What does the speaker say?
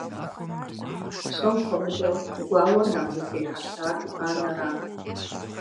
Псом хуэмыдэу гуауэр нэхъ зытехьэлъар анэрат.